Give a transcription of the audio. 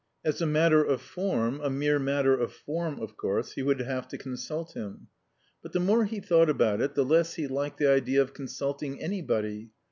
As a matter of form, a mere matter of form, of course, he would have to consult him. But the more he thought about it the less he liked the idea of consulting anybody.